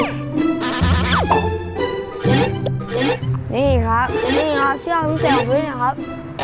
นี่ครับเชื่อวิเศษของพี่นะครับ